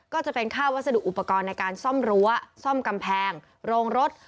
ก็จะเป็นค่าวัสดุอุปกรณ์ในการซ่อมรั้วซ่อมกำแพงโรงรถ